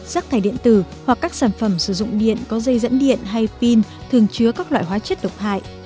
rác thải điện tử hoặc các sản phẩm sử dụng điện có dây dẫn điện hay pin thường chứa các loại hóa chất độc hại